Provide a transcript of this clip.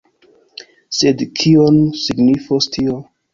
Sed kion signifos tio?